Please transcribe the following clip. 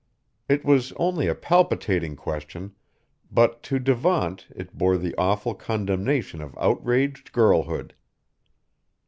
It was only a palpitating question, but to Devant it bore the awful condemnation of outraged girlhood.